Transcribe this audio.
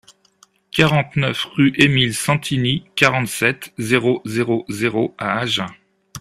quarante-neuf rue Emile Sentini, quarante-sept, zéro zéro zéro à Agen